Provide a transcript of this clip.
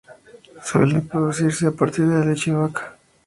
Suele producirse a partir de la leche de vaca.